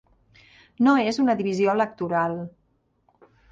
No és una divisió electoral.